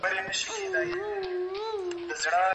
د لارښود او شاګرد مزاجي یووالی ډېر ضروري دی.